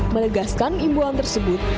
melegaskan imbauan tersebut